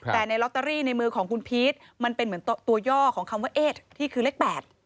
แต่ในลอตเตอรี่ในมือของคุณพีชมันเป็นเหมือนตัวย่อของคำว่าเอ๊ะที่คือเลข๘